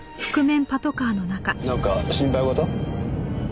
なんか心配事？